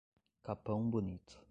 Capão Bonito